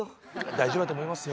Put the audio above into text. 大丈夫だと思いますよ。